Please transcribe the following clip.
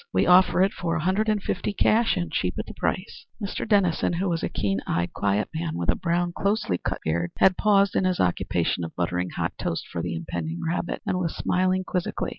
We offer it for a hundred and fifty cash, and cheap at the price." Mr. Dennison, who was a keen eyed, quiet man, with a brown, closely cut beard, had paused in his occupation of buttering hot toast for the impending rabbit, and was smiling quizzically.